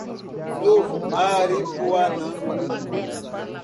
Novo Aripuanã